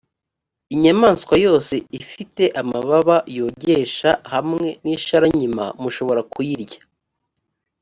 inyamaswa yose ifite amababa yogesha hamwe n’isharankima, mushobora kuyirya;